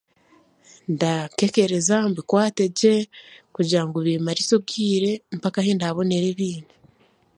Ndaakekereza, mbikwategye kugira ngu biimarise obwire mpaka ahi ndaabonere ebindi.